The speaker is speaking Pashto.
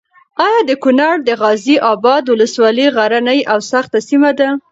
ایا د کونړ د غازي اباد ولسوالي غرنۍ او سخته سیمه ده؟